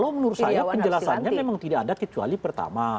kalau menurut saya penjelasannya memang tidak ada kecuali pertama